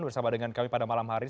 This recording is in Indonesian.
bersama dengan kami pada malam hari ini